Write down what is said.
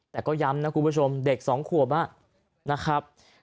แต่ก็ย้ำนะคุณผู้ชมเด็กสองขัวบ้าง